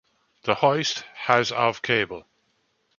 The hoist has of cable.